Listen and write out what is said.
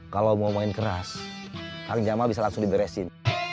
kalau mau main keras kaki jamal bisa langsung diberesin